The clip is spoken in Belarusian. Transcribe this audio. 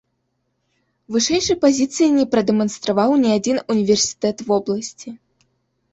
Вышэйшай пазіцыі не прадэманстраваў ні адзін універсітэт вобласці.